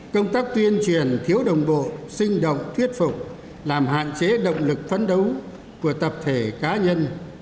công tác tuyên truyền thiếu đồng bộ sinh động thuyết phục làm hạn chế động lực phấn đấu của tập thể cá nhân